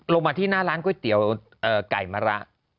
มาที่หน้าร้านก๋วยเตี๋ยวไก่มะระ